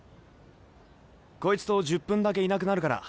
こいつと１０分だけいなくなるから。